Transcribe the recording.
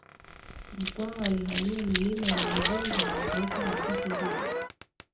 Mkwawa alihamia milima ya Udzungwa na kuweka maficho huko